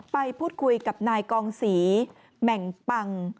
ไปพูดคุยกับนายกองศรีแหม่งปัง